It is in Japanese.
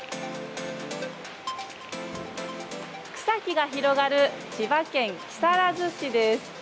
草木が広がる千葉県木更津市です。